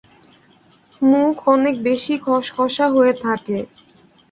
মুখ অনেক বেশি খশখশা হয়ে থাকে।